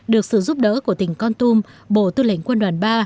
được sự giúp đỡ của tỉnh con tum bộ tư lệnh quân đoàn ba